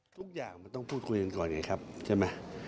ทุกอย่างมันต้องพูดคุยกันก่อนไงครับใช่ไหม